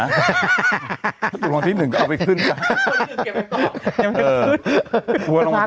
ถ้าถูกรองรองร์ที่๑ก็เอาไปขึ้นหนะ